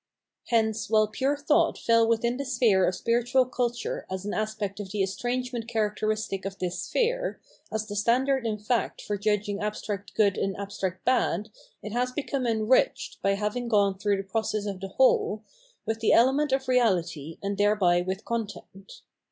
Hence while pure thought feh within the sphere of spiritual culture as an aspect of the estrangement characteristic of this sphere, as the standard in fact for judging abstract good and abstract bad, it has become enriched, by having gone through the process 636 Phenomenology of Mind, of the whole, with the element of reahty and thereby with content.